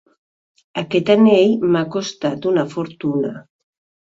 Aquest anell m'ha costat una fortuna.